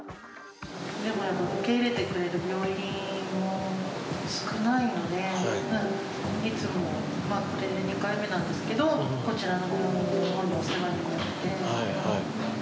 受け入れてくれる病院も少ないので、いつも、２回目なんですけど、こちらの病院のほうにお世話になって。